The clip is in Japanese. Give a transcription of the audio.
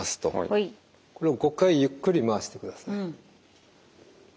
これを５回ゆっくり回してください。